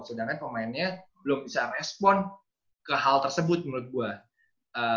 sedangkan pemainnya belum bisa merespon ke hal tersebut menurut gue